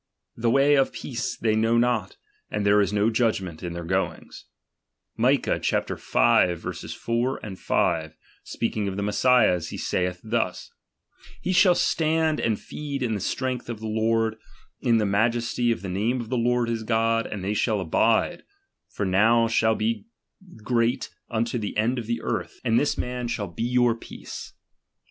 The way of peace they know »xot, and there is no judgment in their goings. ^^licah V. 4, 5, speaking of the Messias, he saith "fchns : He shall stand and feed in the strength of ^^he Lord, in the majesty of the name of the Lord ^is God, and ijiey shall abide, for now shall he ^ie great unto the end of the earth ; and this man •^hall he your peace, &c.